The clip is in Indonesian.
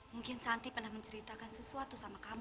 mungkin santi pernah menceritakan sesuatu sama kamu